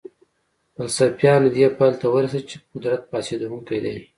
فلسفیانو دې پایلې ته ورسېدل چې قدرت فاسدونکی دی.